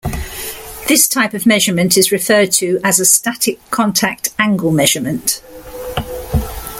This type of measurement is referred to as a static contact angle measurement.